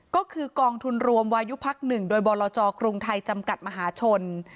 ก็คือกองทุนรวมวายุพัก๑โดยบรจกรุงไทยจำกัดมหาชน